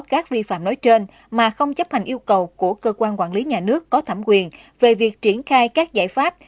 các vi phạm nói trên mà không chấp hành yêu cầu của cơ quan quản lý nhà nước có thẩm quyền về việc triển khai các giải pháp